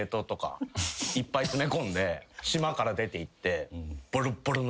いっぱい詰め込んで島から出ていって。